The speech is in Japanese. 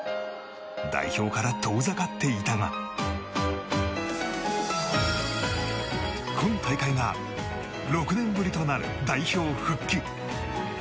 代表から遠ざかっていたが今大会が６年ぶりとなる代表復帰。